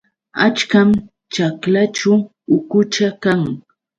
Achkam ćhaklaćhu ukucha kan.